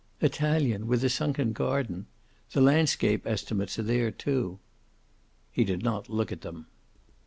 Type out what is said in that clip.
"Italian, with a sunken garden. The landscape estimates are there, too." He did not look at them.